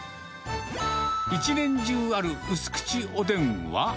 一年中あるうすくちおでんは。